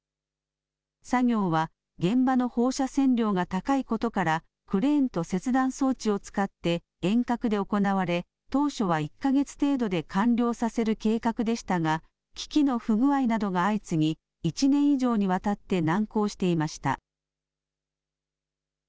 作業は、現場の放射線量が高いことから、クレーンと切断装置を使って、遠隔で行われ、当初は１か月程度で完了させる計画でしたが、機器の不具合などが相次ぎ、１年以上にわたって難航していました。